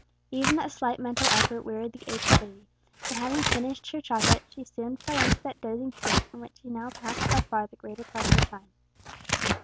Even that slight mental effort wearied the aged lady, and having finished her chocolate, she soon fell into that dozing state in which she now passed by far the greater part of her time.